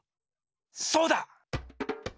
そうだ！